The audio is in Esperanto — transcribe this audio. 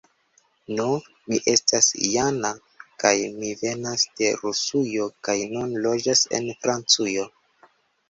Nu, mi estas Jana kaj mi venas de Rusujo kaj nun loĝas en Francujo